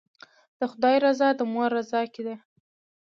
د خدای رضا د مور رضا کې ده.